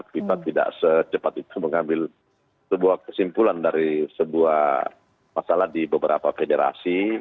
fifa tidak secepat itu mengambil sebuah kesimpulan dari sebuah masalah di beberapa federasi